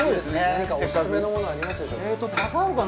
何かお勧めのものはありますでしょうか。